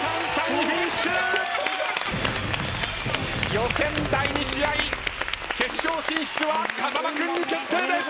予選第２試合決勝進出は風間君に決定です！